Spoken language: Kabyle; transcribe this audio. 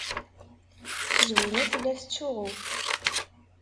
Zwina tella tettsuɣu.